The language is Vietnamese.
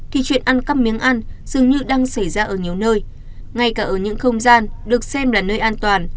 thì chuyện ăn cắp miếng ăn dường như đang xảy ra ở nhiều nơi ngay cả ở những không gian được xem là nơi an toàn